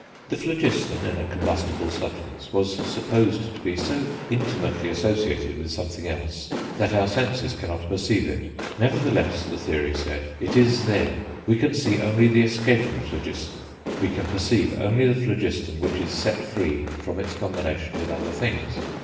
The phlogiston in a combustible substance was supposed to be so intimately associated with something else that our senses cannot perceive it; nevertheless, the theory said, it is there; we can see only the escaping phlogiston, we can perceive only the phlogiston which is set free from its combination with other things.